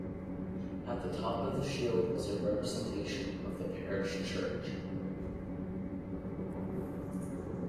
At the top of the shield was a representation of the parish church.